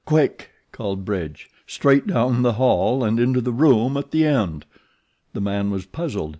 "Quick!" called Bridge. "Straight down the hall and into the room at the end." The man was puzzled.